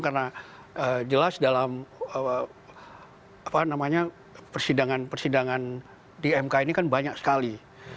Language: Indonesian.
karena jelas dalam persidangan persidangan di mk ini kan banyak sekali